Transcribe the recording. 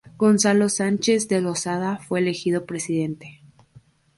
Gonzalo Sánchez de Lozada fue elegido presidente.